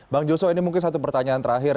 bang joshua ini mungkin satu pertanyaan terakhir